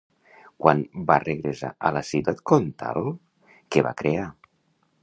Quan va regressar a la Ciutat Comtal, què va crear?